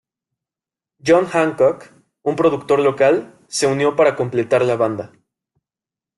John Hancock, un productor local, se unió para completar la banda.